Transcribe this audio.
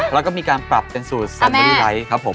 แล้วก็มีการปรับเป็นสูตรสันเบอรี่ไวท์ครับผม